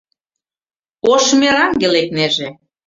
Ош мераҥге лекнеже